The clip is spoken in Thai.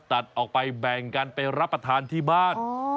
ตัดออกไปแบ่งกันไปรับประทานที่บ้าน